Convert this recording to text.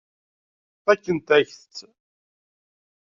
Fakkent-ak-tt.